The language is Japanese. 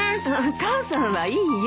母さんはいいよ。